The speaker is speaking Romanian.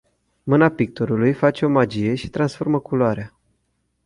Mâna pictorului face o magie și transformă culoarea.